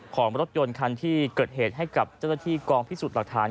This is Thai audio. ของรถยนต์คันที่เกิดเหตุให้กับเจ้าหน้าที่กองพิสูจน์หลักฐาน